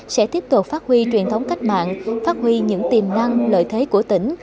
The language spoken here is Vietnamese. sẽ tiếp tục phát huy truyền thống cách mạng phát huy những tiềm năng lợi thế của tỉnh